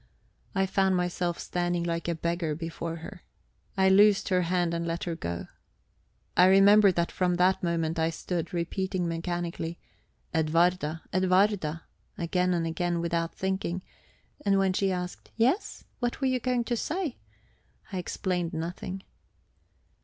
I found myself standing like a beggar before her. I loosed her hand and let her go. I remember that from that moment I stood repeating mechanically: "Edwarda, Edwarda!" again and again without thinking, and when she asked: "Yes? What were you going to say?" I explained nothing.